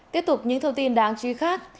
tiếp tục những thông tin đáng truy khắc